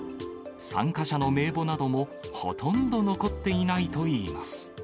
参加者の名簿などもほとんど残っていないといいます。